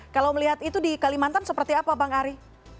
kalau melihat itu di kalimantan seperti apa bang ari